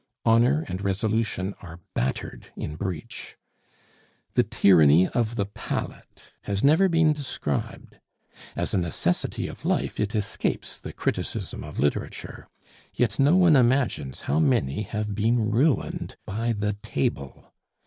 Honor and resolution are battered in breach. The tyranny of the palate has never been described; as a necessity of life it escapes the criticism of literature; yet no one imagines how many have been ruined by the table.